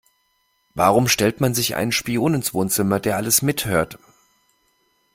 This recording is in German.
Warum stellt man sich einen Spion ins Wohnzimmer, der alles mithört?